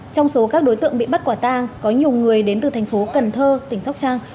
trong số các đối tượng bị bắt quả tang có nhiều người đến từ thành phố cần thơ tỉnh sóc trăng